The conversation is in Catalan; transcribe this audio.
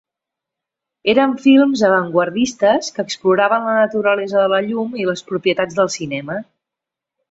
Eren films avantguardistes que exploraven la naturalesa de la llum i les propietats del cinema.